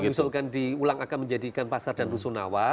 ada yang diusulkan di ulang akan menjadikan pasar dan usun awa